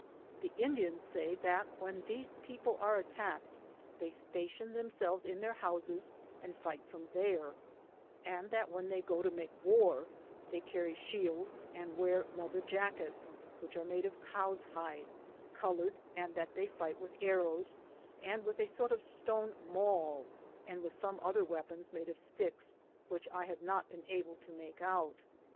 The Indians say that when these people are attacked, they station themselves in their houses and fight from there ; and that when they go to make war, they carry shields and wear leather jackets, which are made of cows' hide, colored, and that they fight with Google THE JOURNEY OP CORONADO arrows and with a sort of stone maul and with some other weapons made of sticks, which I have not been able to make out.